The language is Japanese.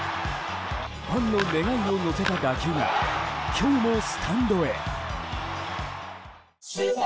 ファンの願いを乗せた打球が今日もスタンドへ。